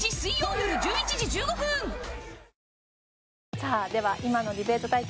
さあでは今のディベート対決